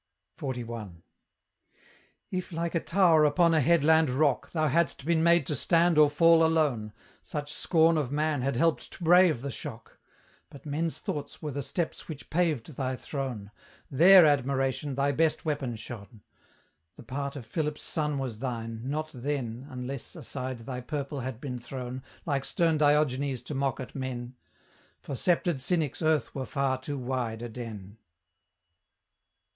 XLI. If, like a tower upon a headland rock, Thou hadst been made to stand or fall alone, Such scorn of man had helped to brave the shock; But men's thoughts were the steps which paved thy throne, THEIR admiration thy best weapon shone; The part of Philip's son was thine, not then (Unless aside thy purple had been thrown) Like stern Diogenes to mock at men; For sceptred cynics earth were far too wide a den.